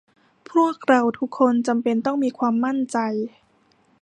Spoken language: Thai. พวกเราทุกคนจำเป็นต้องมีความมั่นใจ